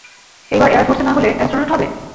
এইবার এয়ারফোর্সে না হলে এস্ট্রোনট হবে?